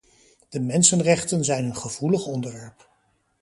De mensenrechten zijn een gevoelig onderwerp.